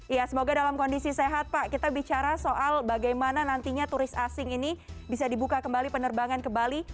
ya semoga dalam kondisi sehat pak kita bicara soal bagaimana nantinya turis asing ini bisa dibuka kembali penerbangan ke bali